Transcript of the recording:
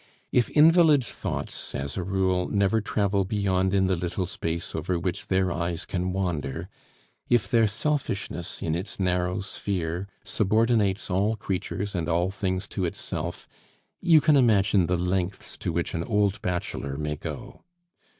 If invalid's thoughts, as a rule, never travel beyond in the little space over which his eyes can wander; if their selfishness, in its narrow sphere, subordinates all creatures and all things to itself, you can imagine the lengths to which an old bachelor may go.